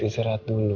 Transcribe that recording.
israt dulu ya